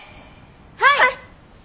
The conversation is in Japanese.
はい！